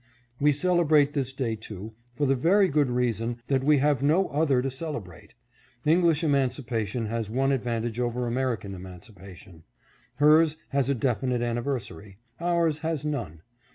. We celebrate this day, too, for the very good reason 608 AGITATION AND WAR EFFECTED EMANCIPATION. that we have no other to celebrate. English emancipa tion has one advantage over American emancipation. Hers has a definite anniversary. Ours has none.